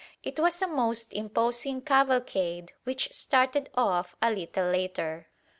It was a most imposing cavalcade which started off a little later.